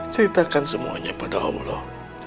ceritakan semuanya pada allah